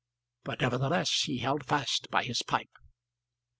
But nevertheless he held fast by his pipe.